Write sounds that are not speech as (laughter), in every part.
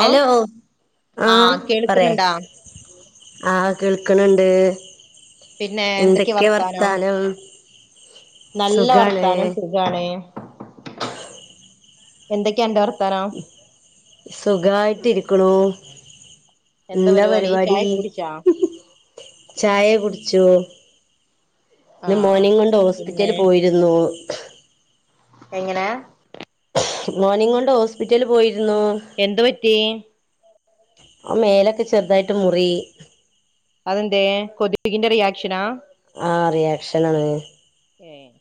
Hello ആഹ് പറേ. ആഹ് കേൾക്ക്ണ്‌ണ്ട്. പിന്നെ എന്തൊക്കെയാ എന്തൊക്കെ വർത്താനം, സുഖാണ്. ങ്ങാണ്. എന്തൊക്കെ അന്റെ വർ സുഖായിട്ടിരിക്ക്ണു. എന്താ പരിപാടി.? ചായ കുടിച്ചൂ, ഞാൻ ആഹ് മോനിം കൊണ്ട് പിന്നെ ഹോസ്പിറ്റല് പോയി. രുന്നു. എങ്ങനെ? മോനിം കൊണ്ട് ഹോസ്പിറ്റല് പോയിരുന്നു. എന്തു പറ്റി? ഒ മേലൊക്കെ ചെറുതായിട്ട് മുറി. അതന്തെ, കൊതുകിന്റെ റിയാക്ഷനാ? ആഹ് റിയാക്ഷനാണ്. ഏഹ്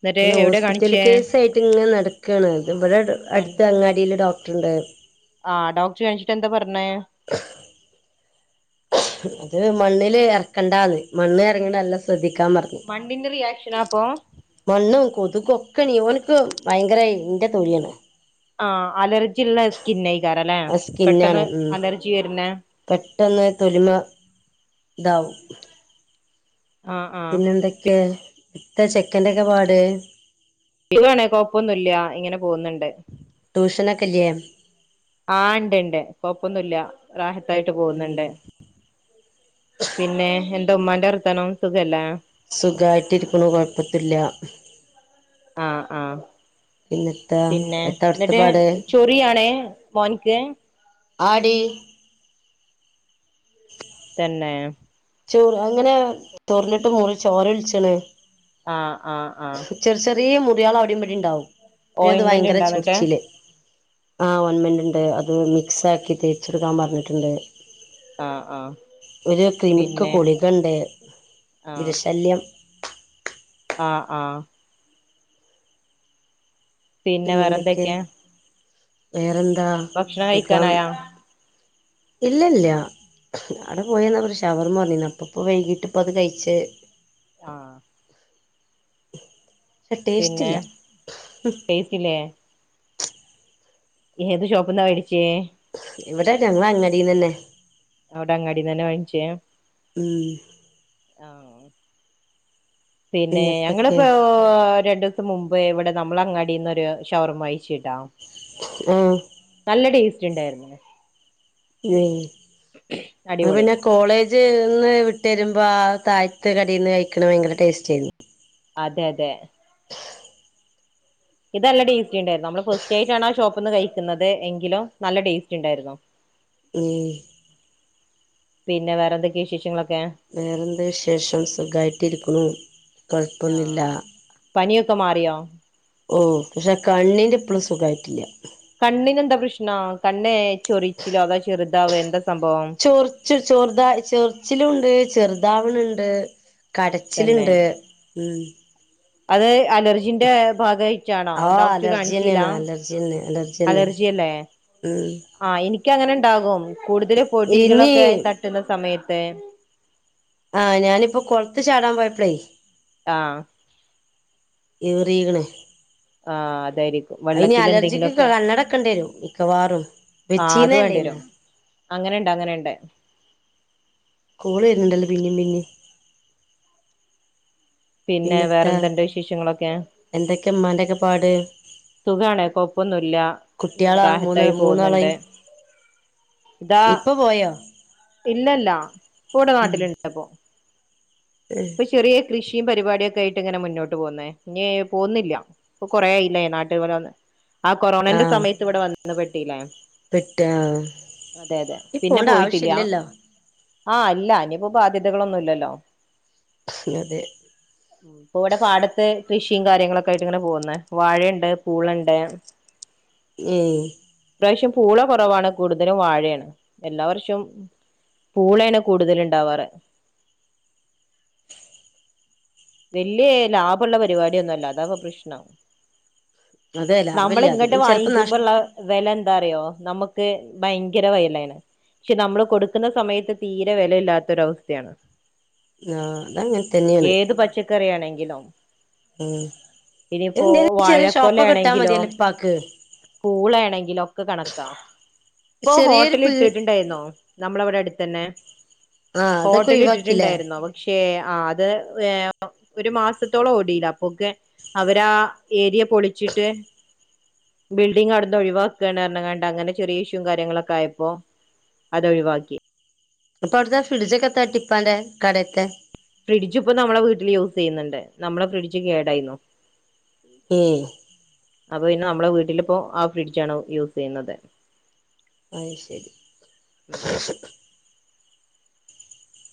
എന്നിട്ട് ങ്ങനെ എവിടെ ഹോസ്പിറ്റല് കാണിച്ചേ കേസ ആയിട്ട് ഇങ്ങനെ നടക്കാണ് ഇത് ഇവിടെ അട് അടുത്ത് അങ്ങാടിയില് ഡോക്ടർണ്ട്. ആഹ് ഡോക്ടർ കണിച്ചിട്ട് എന്താ പർഞ്ഞെ? അത് മണ്ണില് എറക്കണ്ടാന്ന് മണ്ണ് എറങ്ണത് നല്ലം ശ്രദ്ധികാൻ പറഞ് മണ്ണിന്റെ റിയാക്ഷനാ അപ്പോ? മണ്ണും കൊതുകും ഒക്കെ നീ ഓന്ക് ഭയങ്കര ഇന്റെ തൊലിയാണ്. ആഹ് അലർജിള്ള സ്കിന്നെയികാരല്ലെ ആ സ്കിന്നാണ് പെട്ടന്ന് ഉം അലർജി വര്നെ. പെട്ടെന്ന് തൊലിമെ ഇതാവും. ആഹ് ആഹ് പിന്നെ എന്തൊക്കെ ഇത്ത ചെക്കന്റെക്കെ പാട്? (unintelligible) ണെ കൊഴപ്പൊന്നുല്ല ഇങ്ങനെ പോകുന്നുണ്ട്. ട്യൂഷനൊക്കെ ഇല്ലേ? ആഹ് ഇണ്ട്ണ്ട് കൊഒപ്പൊന്നുല്ല റാഹത്തായിട്ട് പോകുന്നുണ്ട്. പിന്നെ എന്താ ഉമ്മാന്റെ വർത്താനം സുഖല്ലെ? സുഖായിട്ടിരിക്ക്ണു കുഴപ്പത്തുല്ല. ആഹ് ആഹ് പിന്നെത്താ പിന്നെ എത്താ അവിടുത്തെ ന്നിട്ട് പാട് ചോ റിയാണെ മോന്ക്ക്? ആഹ് ടി (inaudible) തന്നെ ചൊർ അങ്ങനെ തൊറിഞ്ഞിട്ട് മുറി ചോര ഒൽച്ച്ണ് ആഹ് ആഹ് ആഹ് ചെർ ചെറ്യേ മുറികള് അവിടിം ഇവിടിം ഉണ്ടാവും. പിന്നെ ഇത് ഓയിൻമെന്റ് ഭയങ്കര ഇണ്ടാ എന്നിട്ട് ചൊറിച്ചില് ആഹ് ഓൽമെന്റ്ണ്ട്. അത് മിക്സ് ആക്കി തേച്ചെടുക്കാൻ പറഞ്ഞിട്ടുണ്ട്. ആഹ് ആഹ് ഇന്ക്ക് പിന്നെ കുളികണ്ട് ആഹ് വിരശല്യം ആഹ് ആഹ് പിന്നെ പിന്നെന്തൊക്കെ, വേറെന്തൊക്കെയാ വേറെന്താ? ഭക്ഷണം സുഖം. കഴിക്കാനായാ ഇല്ല ല്ല അവിടെ പോയിവന്നപ്പോ ഒരു ഷവർമ കൊടന്നീന്നു അപ്പ ഇപ്പോ വൈകീട്ട് ഇപ്പ അത് കഴിച്ച്. ആഹ് പക്ഷെ ടേസ്റ്റ് പിന്നെ, ഇല്ല ടെസ്റ്റില്ലേ? ഏത് ഷോപ്ന്നാ വേടിച്ചേ? ഇവിടെ ഞങ്ങള അങ്ങാടീന്നന്നെ അവിടെ അങ്ങാടിന്നന്നെ വാങ്ങിച്ചേ? ഉം ആഹ് പിന്നെ പിന്നെത്തൊക്കെ ഞങ്ങളപ്പോ രണ്ടു ദിവസം മുമ്പ് ഇവിടെ നമ്മൾ അങ്ങാടിന്നൊരു ഷവർമ കഴിച്ചുട്ടോ ഉം നല്ല ടേസ്റ്റ് ഉണ്ടായിരുന്നു ഉം അത് അടിപൊളി പിന്നെ കോളേജ്ൽ നിന്ന് വിട്ട് വരുമ്പോൾ ആ താഴത്തെ കടേൽ നിന്ന് കഴിക്കണ ഭയങ്കര ടേസ്റ്റ് ആയിരുന്നു അതെ അതെ ഇത് നല്ല ടേസ്റ്റ് ഉണ്ടായിരുന്നു നമ്മൾ ഫസ്റ്റ് ആയിട്ടാണ് ആ ഷോപ്പ് നിന്ന് കഴിക്കുന്നത് എങ്കിലും നല്ല ടേസ്റ്റ് ഉണ്ടായിരുന്നു. (inaudible) ഉം പിന്നെ വേറെ എന്തൊക്കെയ വിശേഷങ്ങളൊക്കെ വേറെ എന്ത്‌ വിശേഷം സുഖമായിട്ടിരിക്കുന്നു കുഴപ്പമൊന്നുല്ല നി ഒക്കെ മാറിയോ ഓ പക്ഷെ കണ്ണിന്റെ ഇപ്പഴും സുഖായിട്ടില്ല കണ്ണിനെന്താ പ്രശ്നം കണ്ണ് ചൊറിച്ചിലോ അതോ ചെറുതാവെ എന്താ സംഭവം ചെറിച്ചിൽ ചെറുത ചെറിച്ചിലും ഉണ്ട് ചെറുതാവണ് ഉണ്ട് തന്നെ കടച്ചിലുണ്ട് ഉം അത് അലർജി ജിന്റെ ഭാഗമായിട്ടാണോ ആ ഡോക്ടറെ കാണിച്ചില്ല അലർജിന്നെയാണ് അലർജിന്നെ അലർജിന്നെ അലർജി അല്ല ഉം ആഹ എനിക്ക്‌ അങ്ങനെ ഉണ്ടാകും കൂടുതൽ ഇനി പൊടികളൊക്കെ തട്ടുന്ന സമയത്ത് ആഹ് ഞാനിപ്പൊ കൊളത്തിൽ ചാടാൻ പോയപ്പളേ ആഹ് ഏറീക്ണ് ആഹ് അതായിരിക്കും അതിന് വെള്ളത്തില് അലർജിക്ക് എന്തെങ്കിലൊക്കെ കണ്ണടക്കേണ്ടി വരും മിക്കവാറും വെച്ചീന്നല്ലേ അങ്ങനെയുണ്ട് അങ്ങനെയുണ്ട് കോള് വര്ന്നുണ്ടല്ലോ പിന്നിം പിന്നിം പിന്നെ വേറെ പിന്നെത്താ എന്തുണ്ട് വിശേഷങ്ങളൊക്കെ എന്തൊക്കെ ഇമ്മാന്റെ ഒക്കെപ്പാട് സുഖാണ് കൊപ്പൊന്നുല്ല ഇങ്ങനെ കുട്ട്യാളാ റാ മൂന്ന് ഹത്തായി മൂന്നാളായി പോകുന്നുണ്ട് ഇതാ ഇപ്പ പോയോ ഇല്ലല്ല ഇപ്പടെ ഉം നാട്ടിലുണ്ട്പ്പോ (unintelligible) ചെറിയ കൃഷിം പരിപാടിക്കെ ആയിട്ട് ഇങ്ങനെ മുന്നോട്ട് പോകുന്നേ ഇനിയേ പോവു ന്നില്ല ഇപ്പൊ കൊറേ ആയ് ല്ലേ നാട്ടില് ഇവിടെ വന്ന് ആ കൊറോണന്റെ സമയത്ത് ഇവിടെ വന്ന് പെട്ടില്ലേ പെട്ട് ആ അതെ അതെ ഇ പിന്നെ പോണ്ട പോയിട്ടില്ല ആവശ്യല്ലല്ലോ ആ ഇല്ല ഇനിയിപ്പോ ബാധ്യതകളൊന്നും ഇല്ലല്ലോ അതേ അതെ ഇപ്പ ഇവിടെ പാടത്ത് കൃഷിയും കാര്യങ്ങളൊക്കെ ആയിട്ട് ഇങ്ങനെ പോകുന്നു. വാഴയുണ്ട് പൂളണ്ട് (inaudible) ങേ (inaudible) ഇപ്രാവശ്യം പൂള കുറവാണ് കൂടുതലും വാഴേണ് എല്ലാവർഷം പൂളേണ് കൂടുതല് ഉണ്ടാവാറ് വല്യേ ലാഭള്ള പരിപാടിയൊന്നല്ല അതാപ്പൊ പ്രശ്ണം അതെ നമ്മള് ലാഭല്ല അത് ഇങ്ങെട്ട് പിന്നെ ചെലപ്പോ നഷ് വാങ്ങിക്കുമ്പോള്ള വെല എന്താ അറിയോ നമുക്ക് ഭയങ്കര വായ് ലേണ് നമ്മള് കൊടുക്കുന്ന സമയത്ത് തീരെ വെലയില്ലാത്തൊരവസ്ഥയാണ് ആ അതങ്ങൻ തന്നെയാണ് ഏത് പച്ചക്കറി യാണെങ്കിലോ ഉം എന്തേലും ചെറിയ ഷോപ്പൊക്കെ ഇട്ടാ മതിയല്ലോ ഇപ്പാക്ക് പൂളാണെങ്കിലൊക്കെ കണക്കാ ഇപ്പൊ ചെറിയൊരു ഹോട്ടല് പീ ഇട്ടിട്ടുണ്ടായിരുന്നു നമ്മളവിടെ അടുത്തെന്നെ ആ അതൊക്കെ ഹോട്ടല് ഒഴിവാക്കില്ലേ ഇട്ടിട്ടുണ്ടായിരുന്നു അ ക്ഷെ ആത് വേം ഒരു മാസത്തോളം ഓടിയില്ല അപ്പൊക്ക് അവരാ ഏരിയ പൊളിച്ചിട്ട് ബിൽഡിംഗ് അവ്ട്ന്ന് ഒഴിവാക്കാണ് പറഞ്ഞ് കാണ്ട് അങ്ങനെ ചെറിയ ഇഷ്യും കാര്യങ്ങളൊക്കെ ആയപ്പോ അത് ഒഴിവാക്കി അപ്പ ഔട്ത്തെ ഫ്ട്ജോക്കെ എത്താ കാട്ടി കടേത്തെ ഫ്രിഡ്ജ് ഇപ്പം നമ്മെളെ വീട്ടില് യൂസ് ചെയ്യുന്നുണ്ട് നമ്മെളെ ഫ്രിഡ്ജ് കേടായിരുന്നു ഏഹ് അപ്പൊ പിന്നെ നമ്മളെ വീട്ടിലിപ്പോ ആഹ് ഫ്രിഡ്ജാണ് യൂസ് ചെയ്യുന്നത് അയ് ശരി ഉം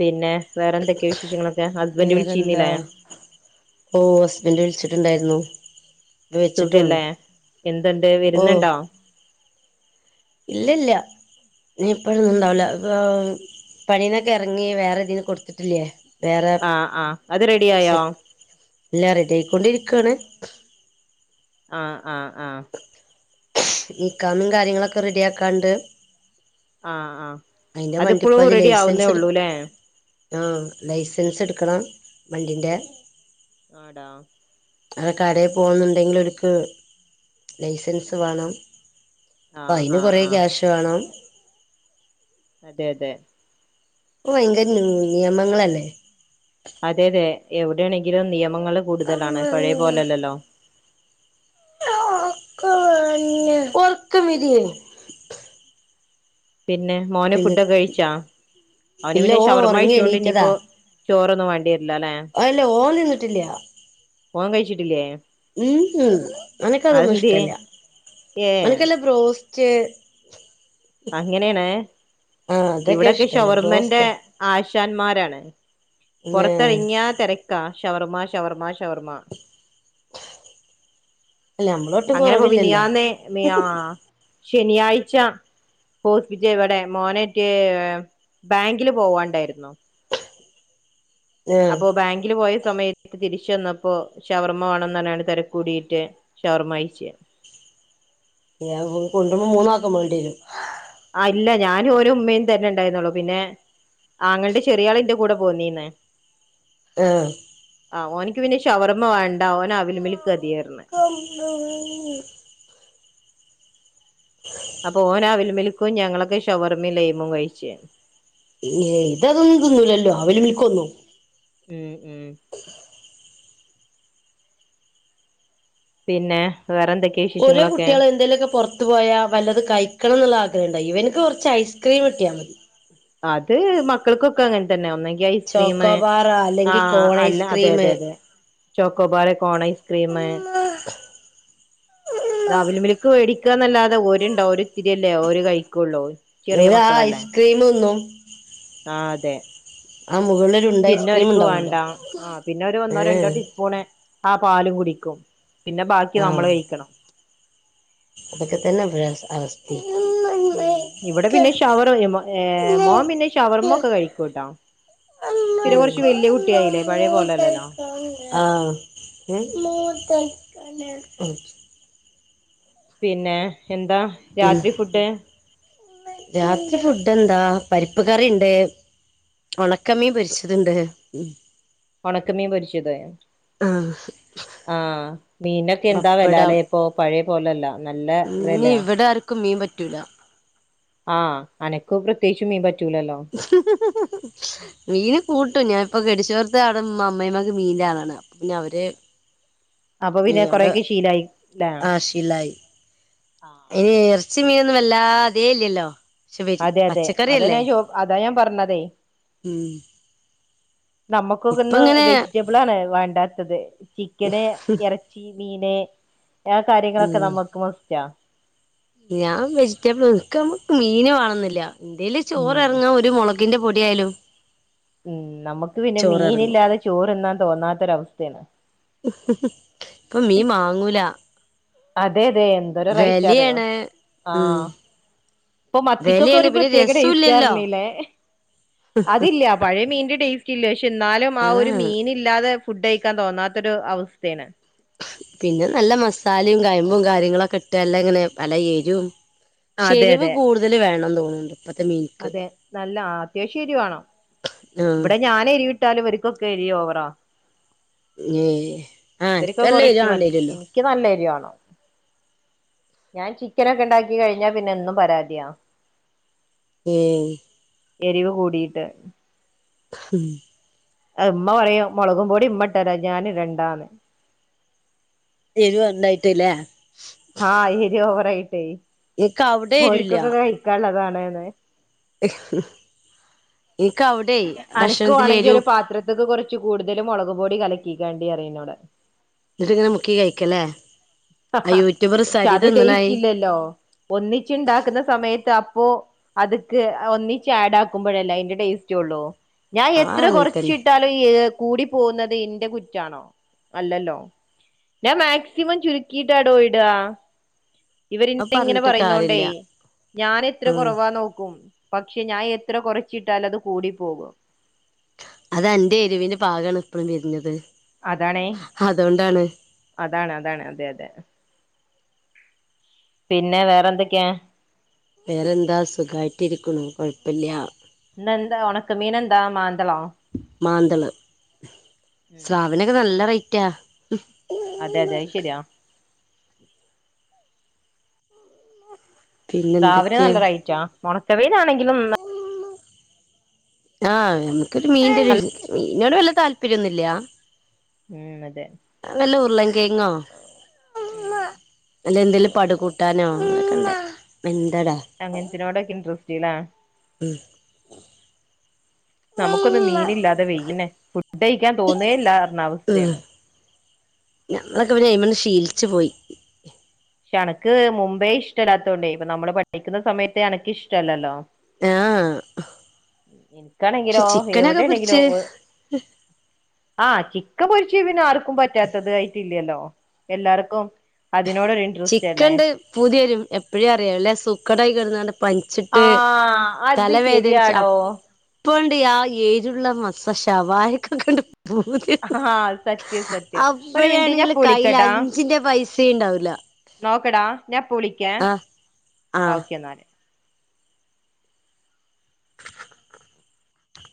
പിന്നെ വേറെന്തൊക്കെ വിശേഷങ്ങളൊക്കെ ഹസ്ബന്ഡ് വേറെന്താ വിളിച്ചീനിലേ ഓ ഹസ്ബൻഡ് വിളിച്ചിട്ടുണ്ടായിരുന്നു ഇപ്പ വെച്ചിട്ടുള്ളൂ സുഖല്ലേ എന്തുണ്ട് ഓ വരുന്നുണ്ടോ ഇല്ലല്ല ഇനി ഇപ്പോഴൊന്നും ഉണ്ടാവില്ല പണീന്നൊക്കെ ഇറങ്ങി വേറെ തീന്ന് കൊടുത്തിട്ടില്ലേ വേറെ ആ ആ അത് റെഡി ആയോ വിസക്ക് എല്ലാ റെഡി യാ യിക്കൊണ്ടിരിക്കുവാ ണ് ആഹ് ആഹ് ആഹ് ഇക്കാമിം കാര്യങ്ങളൊക്കെ റെഡിയാക്കാണ്ട് ആഹ് ആഹ് അയിന്റെ അതിപ്പോഴും വണ്ടിപ്പത് റെഡി ആവുന്നേ ലൈസൻസ് എടു ഉള്ളൂല്ലേ ആഹ് ലൈസൻസ് എടുക്കണം വണ്ടിന്റെ ആടാ അതൊക്കെ കടയിൽ പോകുന്നുണ്ടെങ്കിലോര്ക്ക് ലൈസൻസ് വേണം അപ്പം ആഹ് അയ്ന് ആഹ് കൊറേ ആഹ് ക്യാഷ് വേണം അതെ അതെ ഇപ്പൊ ഭയങ്കര നി നിയമങ്ങളല്ലേ അതെ അതെ എവിടെണെങ്കിലും നിയമങ്ങള് കൂടുതലാണ് പഴയ പോലെല്ലല്ലോ (unintelligible) ഒറക്കം വരേ പിന്നെ മോന് പിന്നെ ഫുഡൊക്കെ കഴിച്ചാ അവന് ഇല്ല പിന്നെ ഓൻ ശവർമ്മ ഉറങ്ങി കഴിച്ചൊണ്ട് എണീറ്റതാ ഇനിയിപ്പോ ചോറൊന്നും വേണ്ട്യര്ല്ല ലെ അല്ല ഓൻ തിന്നിട്ടില്ല്യാ ഓൻ കഴിച്ചിട്ടില്ല്യേ ഉംഹ് ഓന്ക്ക തൊന്നും ഇഷ്ടല്ല ഏഹ് ഓന്ക്കല്ല ബ്രോസ് സ്റ്റ് അങ്ങനെണ് ഇവ്ടെക്കെ ഇഷ്ടള്ളു ഷവർമെന്റെ ബ്രോസ്റ്റാ ആശാന്മാരാണ് പിന്നെ പൊറ്ത്തെറങ്ങ്യ തെരക്കാ ഷവർമ ഷവർമ ഷവർമ്മ അല്ല മ്മളോ അങ്ങനെ പ്പ വിനിയാന്ന് ന്ന്യാ ശനിയാഴ്ച ഹോസ്പിറ്റേ വടെ മോനേറ്റ് ബാങ്കില് പോവാണ്ടായിര്ന്നു ആഹ് അപ്പോ ബാങ്കില് പോയ സമയ തിരിച്ച് വന്നപ്പോ ഷവർമ്മ വേണന്നറ്ഞ്ഞാണ്ട് തെരക്കൂടിയിട്ട് ഷവർമ്മ കയ്ച്ച് ഞാം പൊ കൊണ്ട്ര്മ്പോ മൂന്നാക്കും വേണ്ടി രും ആഹ് ഇല്ല ഞാനും ഓനും ഉമ്മേം തന്നെ ണ്ടായിരുന്നൊള്ളു പിന്നെ ആങ്ങള് ന്റെ ചെറിയാളിന്റെ കൂടെ പോന്നീന്ന് ഏഹ് ആഹ് ഓന്ക്ക് പിന്നെ ഷവർമ്മ വേണ്ട ഓൻ അവിൽ മിൽക്കതീന്നറ് ഞ് (unintelligible) അപ്പൊ ഓനവിൽ മിൽക്കും ഞങ്ങളൊക്കെ ഷവർമ്മീം ലയ്മും കഴിച്ച് ഏയ്‌ ഇതതൊന്നും ത് ന്നൂലല്ലോ അവിൽ മി ൽക്കൊന്നും ഉം ഉം പിന്നെ വേറെന്തെക് ഓരേ കുട്ട്യേള് എന്തെലൊക്കെ പൊർ ത്തു പോയാ വല്ലതും കയിക്കണം ന്ന് ള്ള ആഗ്രഹണ്ടായി ഇവന്ക്ക് കൊറ്ച്ച് ഐസ്ക്രീം കട്ടിയാ മതി അത് മക്കൾക്കൊക്കെ അങ്ങൻ തന്നെ ഒന്നെങ്കി ഐ സ്ക്രീം ചോക്കോബാർ അല്ലെങ്കിൽ ആഹ് കോൺ അല്ല അതെ ഐസ്ക്രീം അതെ അതെ ചോക്കോബാറ് കോൺ ഐസ്ക്രീം ദവിൽമിൽക്ക് വേടിക്കാന്നല്ലാതെ ഓര്ണ്ടോ ഒരിത്തിരിയല്ലേ ഒര് കയിക്കൊള്ളൂ ഓര് ആ ഐസ്ക്രീം ന്നും ആഹ് അതെ മുകളിൽ ഒരു ഉണ്ട പിന്നെ ഐസ്ക്രീം ഒര്ക്ക് വേണ്ട ഉണ്ടാവല്ലോ ആഹ് പിന്നെ ഓര് ഒന്നോ രണ്ടോ ഏഹ് ടീസ്പൂണ് ആ പാലും കുടിക്കും പിന്നെ ബാക്കി നമ്മള് കയിക്കും അതൊക്കത്തന്നെ ബരെ അവ അവസ്തിം ഇവടെ പിന്നെ ഷവർ ഏ മോം പിന്നെ ഷവർമ ഒക്കെ കഴിക്കൂട്ടോ പിന്നെ കുറച്ച് വല്യ കുട്ടിയായില്ലേ പഴയ എ പോലെല്ലല്ലോ ആഹ് അതെ ഏഹ് പിന്നെ എന്താ പിൻ രാത്രി ഫുഡ് രാത്രി ഫുഡ് എന്താ പരിപ്പ് കറിണ്ട് ഒണക്കമീം പൊരിച്ചത്ണ്ട് ഉം ഒണക്കമീം പൊരിച്ചത് ആഹ് ആഹ് മീൻനൊക്കെ എന്താ വെല പപ്പടം ലെ ഇപ്പൊ പഴയ പോലല്ല നല്ല വെല ക്ക് മീം പറ്റൂല. ക് ആഹ് അനക്കു പ്രത്യേയിച്ച് മീം പറ്റൂലല്ലോ (unintelligible) മീന് കൂട്ടും ഞാനിപ്പ ഗട്ടിച്ചോട്ത്ത് അവ്ടെ മ്മ അമ്മയ്‌മ്മാക്ക് മീൻന്റെ ആളാണ് അപ്പ പിന്നെ അവര് അപ്പൊ പിന്നെ കൊറെക്കെ ശീലായി ല്ലേ ലായി അയ്‌നെ എറ്ച്ചിം മീനൊന്നും വല്ലാ ആദ്യേ ഇല്ല്യല്ലോ ഷെ വെജ് അതെ അതെ അതാ പച്ചക്കറിയല്ലേ ഞാൻ ചോ അതാ ഞാൻ പറഞ്ഞതേ ഉം നമ്മക്കൊക്കെ ഇപ്പ ന്ന് ഇങ്ങനെ വെജിറ്റബിൾ ആണ് വേണ്ടാത്തത് ചിക്കന് എറച് ച്ചി മീന് ആ കാര്യങ്ങളൊക്കെ ഉം നമ്മുക്ക് മസ്റ്റാ ഞാൻ വെജിറ്റബിൾക്ക് മീന് വണന്നുന്നില്ല ഇന്തേൽ ചോറ് ഉം ഇറങ്ങാൻ ഒരു മുളക് ത്തിന്റെ പൊടിയായാലോ ഉം നമുക്ക് പിന്നെ ചോറെറങ്ങും മീനില്ലാതെ ചോറ്ന്നാൻ തോന്നാത്തൊരവസ്ഥയാണ് ഇപ്പൊ മീൻ മാങ്ങൂല അതെ അതെ എന്തൊരു റൈറ്റ് അതെയോ വെലയാണ് ഉം ആഹ ഇപ്പൊ മത്തിക്കൊക്കെ വെലയാണ് ഒരു പിന്നെ പ്രത്യേക രസൂല്ലല്ലോ രജിച്ചറിണലേ അതില്ല പഴയ മീന്റെ ടേസ്റ്റ് ഇല്ല പക്ഷെ എന്നാലും ആ ഒരു ആഹ് മീന് ഇല്ലാതെ ഫുഡ് കഴിക്കാൻ തോന്നാത്തൊ ഒരു അവസ്ഥയാണ് പിന്നെ നല്ല മസാലയും കയമ്പും കാര്യങ്ങളൊക്കെ ഇട്ട്ല്ലാം ഇങ്ങനെ പല ഏരും അതെ ശെരിവ് അതെ കൂടുതൽ വേണംന്ന് തോന്നുന്നുണ്ട് ഇപ്പത്തെ മീൻ അതെ നല്ല അത്യാവശ്യം എരിവാ ആഹ് ഇവിടെ ഞാനൻ എരിവിട്ടാലും ഒക്കൊക്കെ എരിയോ അവറാ ഏഹ് ആഹ് എനക്ക്ല്ല മതി ഇരുവാണ്ടരുല്ലോ എനിക്ക് നല്ല എരിവാ ഞാൻ ചിക്കനൊക്കെ ഉണ്ടാക്കി കഴിഞ്ഞാ പിന്നെ എന്നും പരാതിയാ (unintelligible) എരിവ് കൂടിയിട്ട് (unintelligible) അത് ഉമ്മ പറയും മുളകുംപോടി ഇമ്മട്ടരാ ഞാൻ ഇടണ്ടാന്ന് എരുവ ഉണ്ടായിട്ടല്ലേ ആഹ ശരി ഓവറയിട്ടേ എനിക്ക് അവിടെ എരുല്ല ഹരിക്കൊക്കെ കഴിക്കാനുള്ളതാണ് ഇന്ക്ക് അവടെ ഭക്ഷണത്തില് ഒരു ഇത്ക്ക് കൊറ്ച്ച് കൂടുതലു മൊളക്പൊടി കലക്കിക്കാണ്ടി അറിം ഇന്നോട് ഇന്ന്ട്ട്ങ്ങന മുക്കി കഴ്ക്കലെ പക്ഷെ അത് തിന്നണായി ടേസ്റ്റില്ലല്ലൊ ഒന്നിച്ച്ണ്ടാക്ക്ന്ന സമയത്ത് അപ്പോ അത്ക്ക് ഒന്നിച്ചാഡാക്കുമ്പഴല്ലെ അയിന്റ ടേസ്റ്റൊള്ളു ഞാൻ ആ എത്ര അങ്ങനെ തന്നെ കൊറ്ച്ചിട്ടാല കൂടി പോവ്ന്നത് ഇന്റെ കുറ്റാണൊ അല്ലല്ലൊ ഞാൻ മാക്സിമം ചുരുക്കിട്ടാടൊ ഇടാ അത് ഇവരിന്ന ഇങ്ങന പറഞ്ഞിട്ട് പറയുന്നോണ്ടെ കാര്യല്ല ഞാൻ എത്ര ഉം കൊറവാ നോക്കും പക്ഷെ ഞായെത്ര കൊറച്ചിട്ടാലു അത് കൂടി പോവ അതന്റെ എരിവിന് പാകാണ് ഇപ്പളും വർണത് അതാണേ അതാണ് അതാണ് അതെ അതെ പിന്ന വേറെന്തൊക്കേ വേറെന്താ സുഖായിട്ടിരിക്ക്ണു കൊഴപ്പല്ല്യാ ഇന്നെന്താ ഒണക്ക മീനെന്താ മാന്തളൊ മാന്തള് ഉം സ്ലാവിനൊക്ക നല്ല റയ്റ്റാ അതെ അതെ അയ് ശരിയാ പിന്നെ രാവിലെ എന്തൊക്കെ നല്ലൊരയ്റ്റ ഒണക്ക മീനാണെങ്കിലും ആഹ് ഇൻക്കൊരു മീന്റൊര്ത് മീന്നോട് വല്ല താല്പര്യൊന്നുല്ലാ ഉം അതെ നല്ല ഉരുളൻകേങ്ങൊ ഉം നല്ല എന്തേലും പട് കൂ ട്ടാനൊ അതൊകണ്ടാവും എന്തടാ അങ്ങൻതിനോടക്ക ഇൻട്രസ്റ്റ്ലേ ഉം നമുക്കൊന്നും മീനില്ലാതെ വെയ്യനെ ഫുഡ്ഡയിക്കാൻ തോന്നേയില്ല അർഞ അസ്ഥേണ് ഞങ്ങളൊക്ക പിന്നയ്മന്ന് ശീലിച്ച് പോയി പക്ഷെ അണക്ക് മുമ്പേ ഇഷ്ടല്ലാത്തോണ്ടെ ഇപ്പ നമ്മള് പഠിക്ക്ന്ന സമയത്തെ അനക്ക് ഇഷ്ട്ല്ലല്ലൊ ആഹ് പക്ഷെ ഇൻക്കാണെങ്കിലോ ചിക്കനൊക്കെ എവടാണെങ്കിലോ പൊരിച്ച് ആഹ് ചിക്കൻ പൊരിച്ച് പിന്നെ ആർക്കും പറ്റാത്തത് ആയിട്ടില്ലല്ലോ എല്ലാർക്കും അതിനോടൊരു ഇൻട്രസ്റ്റ് അല്ലേ ചിക്കൻണ്ട് പൂതി വരും എപ്പഴ് അറിയോ വല്ലസൂക്കടായി കടന്ന പൻച്ച്ട്ട് ആഹ് അത് തലവേദനിച്ച അ ശരിയാടോ ഇപ്പണ്ട് ആഹ് ഏരുള്ള മസ് ശവായൊക്ക കണ്ട് പൂതി ആഹ് സത്യം സത്യം ഒരു മിനിറ്റ് ഞാൻ അപ്പഴാണെങ്കില് ഇപ്പ കയ്യില് അഞ്ചിന്റെ പൈസ വുല നോക്കെടാ ഞാ ഇപ്പം വിളിക്കേ ആഹ് ഓക്കെ എന്നാല്